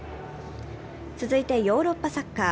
続いて、ヨーロッパサッカー。